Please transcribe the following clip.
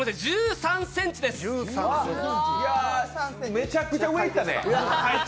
めちゃくちゃ上にいったね。